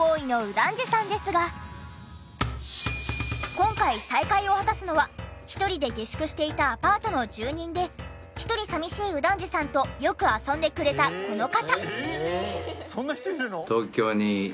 今回再会を果たすのは一人で下宿していたアパートの住人で一人寂しい右團次さんとよく遊んでくれたこの方。